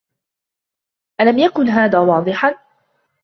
الم یکن هذا واضحا؟